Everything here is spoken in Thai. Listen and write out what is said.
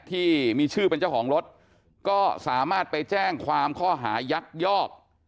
ที่มีชื่อเป็นเจ้าของรถก็สามารถไปแจ้งความข้อหายักยอก